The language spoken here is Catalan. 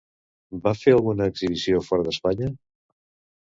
Va fer alguna exhibició fora d'Espanya?